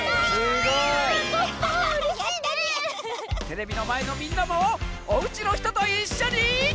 テレビのまえのみんなもおうちのひとといっしょに。